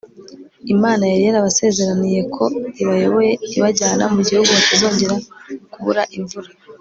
Imana yari yarabasezeraniye ko ibayoboye ibajyana mu gihugu batazongera kubura imvura